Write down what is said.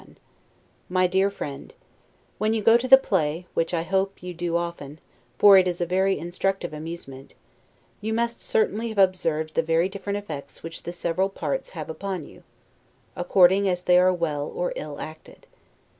S. 1751 MY DEAR FRIEND: When you go to the play, which I hope you do often, for it is a very instructive amusement, you must certainly have observed the very different effects which the several parts have upon you, according as they are well or ill acted.